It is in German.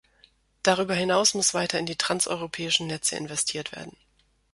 Darüber hinaus muss weiter in die transeuropäischen Netze investiert werden.